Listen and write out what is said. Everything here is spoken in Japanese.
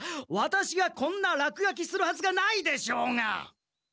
ワタシがこんならくがきするはずがないでしょうが！